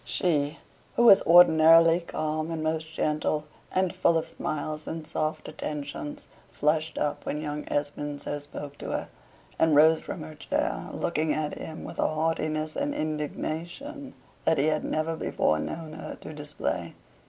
She, who was ordinarily calm and most gentle, and full of smiles and soft attentions, flushed up when young Esmond so spoke to her, and rose from her chair, looking at him with a haughtiness and indignation that he had never before known her to display.